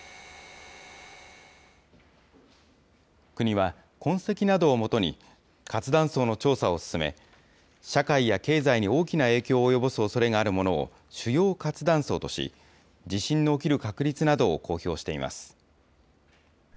国は、痕跡などを基に活断層の調査を進め、社会や経済に大きな影響を及ぼすおそれがあるものを主要活断層とし、地震の起きる確率などを公表しています。